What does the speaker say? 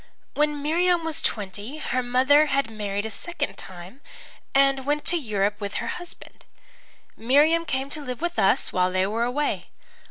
When Miriam was twenty her mother had married a second time and went to Europe with her husband. Miriam came to live with us while they were away.